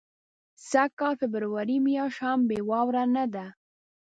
سږ کال فبرورۍ میاشت هم بې واورو نه ده.